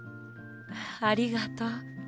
ありがとう。